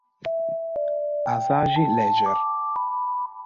Aşağı Ləgər